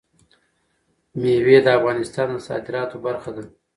مېوې د افغانستان د صادراتو برخه ده.